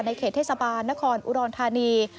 เขตเทศบาลนครอุดรธานี